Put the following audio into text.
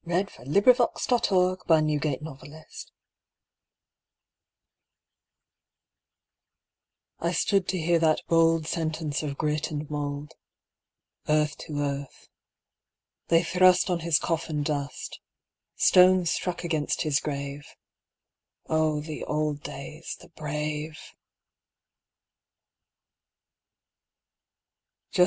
Michael Field Earth to Earth Field M I STOOD to hear that boldSentence of grit and mould, Earth to earth; they thrustOn his coffin dust; Stones struck against his grave:Oh, the old days, the brave!